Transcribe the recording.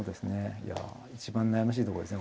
いや一番悩ましいとこですね